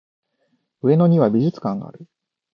上野には美術館がある